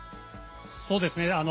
そうですね。